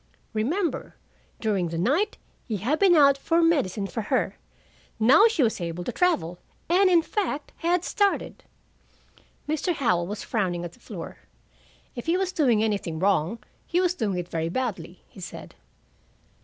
Remember, during the night he had been out for medicine for her. Now she was able to travel, and, in fact, had started." Mr. Howell was frowning at the floor. "If he was doing anything wrong, he was doing it very badly," he said.